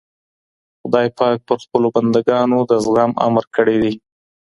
خدای پاک پر خپلو بندګانو د زغم امر کړی دی.